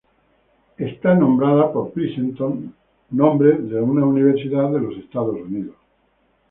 Está nombrado por Princeton, nombre de una universidad de Estados Unidos.